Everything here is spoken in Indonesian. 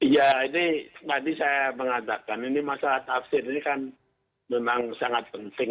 ya ini tadi saya mengatakan ini masalah tafsir ini kan memang sangat penting